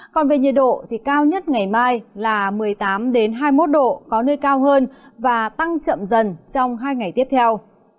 còn về nhiệt độ thì cao nhất ngày mai là một mươi tám hai mươi một độ có nơi cao hơn và tăng chậm dần trong hai ngày tiếp theo